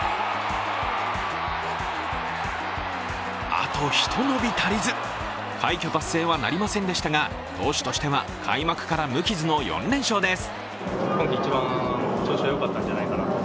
あとひと伸び足りず、快挙達成はなりませんでしたが、投手としては開幕から無傷の４連勝です。